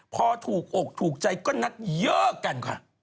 พอถูกอกถูกใจก็นัดเลิกกันค่ะ